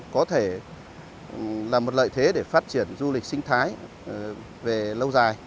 có thể là một lợi thế để phát triển du lịch sinh thái về lâu dài